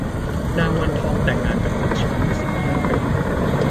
นางวันทองแต่งงานกับขุนช้างอยู่สิบห้าปี